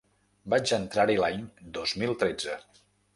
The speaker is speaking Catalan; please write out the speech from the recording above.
Vaig entrar-hi l’any dos mil tretze.